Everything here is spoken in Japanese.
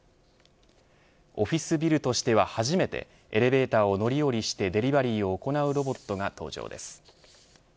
オフィスビルとしては初めてエレベーターを乗り降りしてデリバリーを行うロボットが登場です。